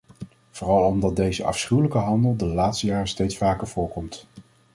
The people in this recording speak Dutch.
Vooral omdat deze afschuwelijke handel de laatste jaren steeds vaker voor komt.